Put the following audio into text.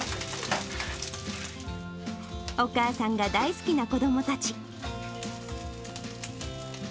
お母さんが大好きな子どもたち。